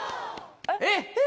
えっ！